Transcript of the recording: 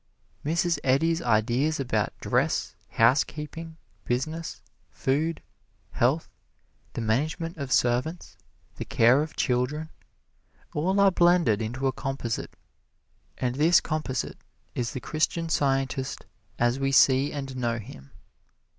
Mrs. Eddy's ideas about dress, housekeeping, business, food, health, the management of servants, the care of children all are blended into a composite, and this composite is the Christian Scientist as we see and know him.